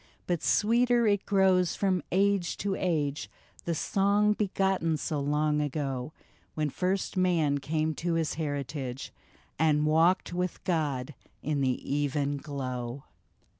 " But sweeter it grows from age to age, The song begotten so long ago, When first man came to his heritage, And walked with God in the even glow.